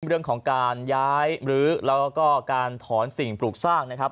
เรื่องของการย้ายหรือแล้วก็การถอนสิ่งปลูกสร้างนะครับ